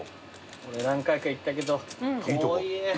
俺何回か行ったけど遠いね。